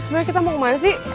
sebenarnya kita mau kemana sih